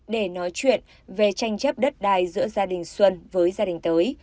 để nói chuyện về tranh chấp đất đai giữa gia đình xuân với gia đình tới